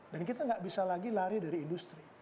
dan kita nggak bisa lagi lari dari industri